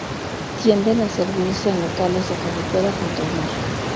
Tienden a servirse en locales de carretera junto al mar.